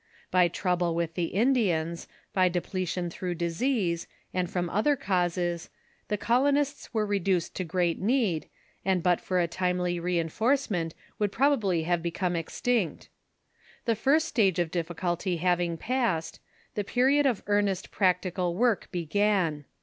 By trouble with the Indians, by depletion through disease, and from other causes, the colonists were reduced to great need, and but for a timely reinforcement would probably have become extinct. The first stage of difliculty having passed, the period of ear nest practical work began.